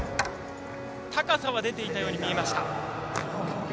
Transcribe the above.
高さは出ていたように見えました。